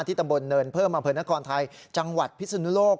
ที่ตำบลเนินเพิ่มอเผิดนครไทยจังหวัดพิสุนุโลก